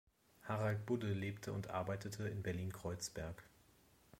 Harald Budde lebte und arbeitete in Berlin-Kreuzberg.